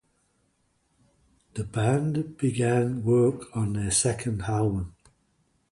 The band began work on their second album.